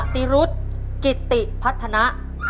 ติรุธกิติพัฒนะ